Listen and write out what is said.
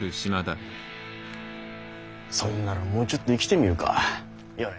そんならもうちょっと生きてみるかヨネ。